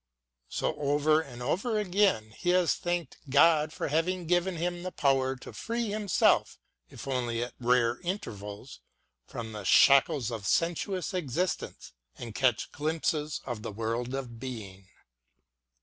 So over and over again has he thanked God for having given him the power to free himself, if only at rare intervals, from the shackles of sensuous existence and catch glimpses of the world of being.